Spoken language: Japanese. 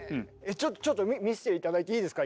ちょっとちょっと見せて頂いていいですか？